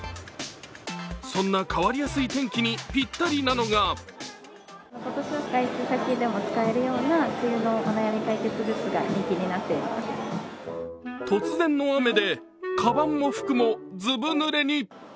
そんな変わりやすい天気にぴったりなのが突然の雨でかばんも服もずぶぬれに。